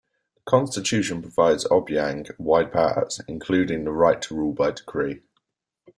The constitution provides Obiang wide powers, including the right to rule by decree.